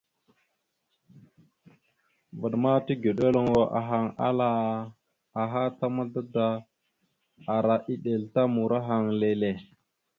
Vvaɗ ma tigəɗeluŋoro ahaŋ ala aha ta mada da ara eɗel ta murahaŋ leele.